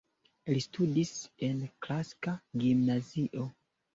Li studis en klasika gimnazio.